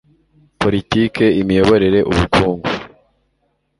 politiki, imiyoborere, ubukungu